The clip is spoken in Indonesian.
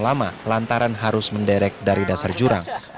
lama lantaran harus menderek dari dasar jurang